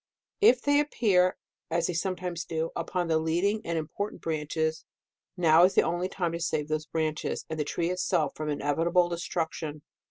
If they appear, as they sometimes do, upon the leading and important branches, now is the only time to save those branches, and the tree itself, from inevitable destruction.